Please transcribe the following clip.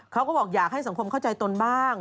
เขาก็บอกอยากให้สังคมเข้าใจตนบ้าง